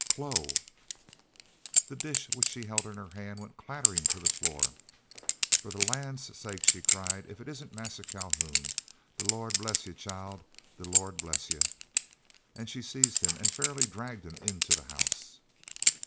"Chloe!" The dish which she held in her hand went clattering to the floor. "Fo' de land's sake!" she cried, "if it isn't Massa Calhoun. De Lawd bress yo', chile! De Lawd bress you!" And she seized him and fairly dragged him into the house.